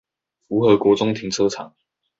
福和國中停車場